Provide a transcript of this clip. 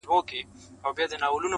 سره لمبه چي درته هر کلی او ښار دئ٫